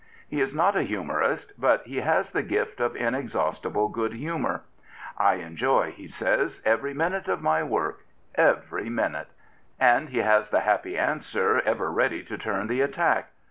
He is not a humorist, but he has the gift of in exhaustible good humour. " I enjoy," he says, " every minute of my work, every minute." And he has the happy answer ever ready to turn the attack.